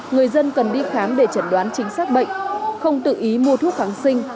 người dân cần đi khám để chẩn đoán chính xác bệnh không tự ý mua thuốc kháng sinh